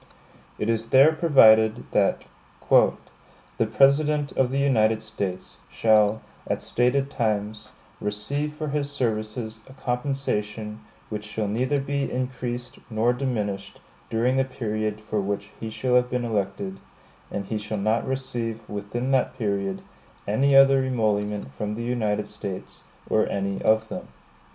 It is there provided that "The President of the United States shall, at stated times, receive for his services a compensation which shall neither be increased nor diminished during the period for which he shall have been elected; and he shall not receive within that period any other emolument from the United States, or any of them."